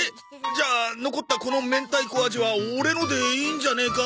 じゃあ残ったこの明太子味はオレのでいいんじゃねえか？